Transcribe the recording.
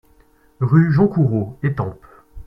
Rue Jean Coureau, Étampes